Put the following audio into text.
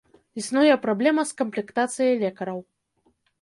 Існуе праблема з камплектацыяй лекараў.